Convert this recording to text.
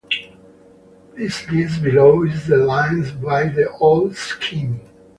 This list below is the lines by the old scheme.